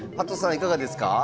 いかがですか？